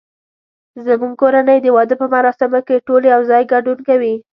زمونږ کورنۍ د واده په مراسمو کې ټول یو ځای ګډون کوي